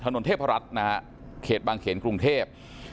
ถนนเทพรัฐนะฮะเขตบางเขนกรุงเทพ